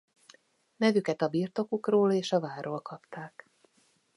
Nevüket a birtokukról és a várról kapták.